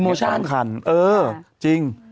สิมจริงจริง